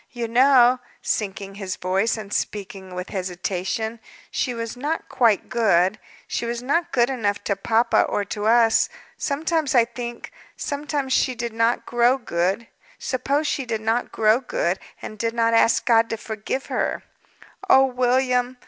"You know" sinking his voice, and speaking with hesitation "she was not quite good; she was not good enough to papa or to us. Sometimes I think, suppose she did not grow good, and did not ask God to forgive her!" "Oh, William!"